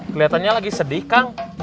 keliatannya lagi sedih kang